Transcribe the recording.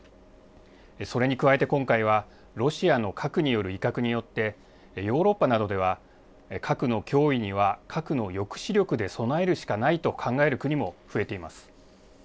それに加えて今回は、ロシアの核による威嚇によって、ヨーロッパなどでは、核の脅威には核の抑止力で備えるしかないと考える国も増えています。